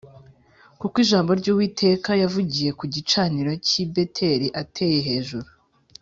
kuko ijambo ry’Uwiteka yavugiye ku gicaniro cy’i Beteli ateye hejuru